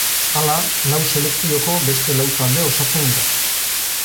Hala, lau selekzioko beste lau talde osatzen dira.